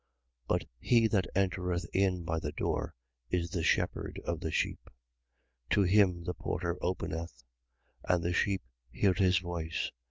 10:2. But he that entereth in by the door is the shepherd of the sheep. 10:3. To him the porter openeth: and the sheep hear his voice.